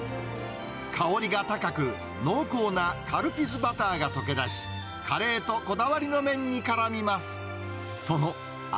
香りが高く、濃厚なカルピスバターが溶けだし、カレーとこだわりの麺にからみます。